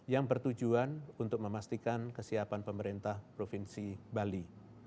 yang bertujuan untuk memastikan kesiapan pemerintah provinsi bali